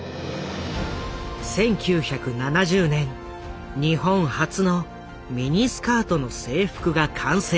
１９７０年日本初のミニスカートの制服が完成した。